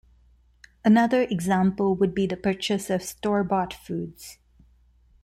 Another example would be the purchase of store-bought foods.